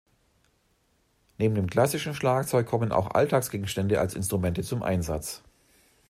Neben dem klassischen Schlagzeug kommen auch Alltagsgegenstände als Instrumente zum Einsatz.